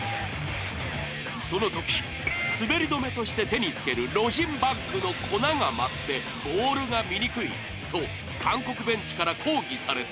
そのとき、滑り止めとして手につけるロジンバッグの粉が舞ってボールが見にくいと韓国ベンチから抗議された。